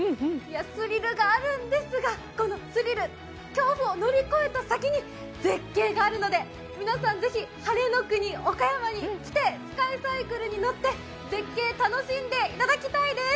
スリルがあるんですがこのスリル、恐怖を乗り越えた先に絶景があるので、皆さんぜひ晴れの国・岡山に来てスカイサイクルに乗って、絶景、楽しんでいただきたいです。